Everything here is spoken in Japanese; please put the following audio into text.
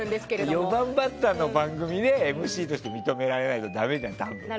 ４番バッターの番組でＭＣとして認められないとだめじゃん、多分。